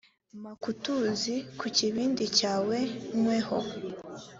mpa utuzi ku kibindi cyawe nyweho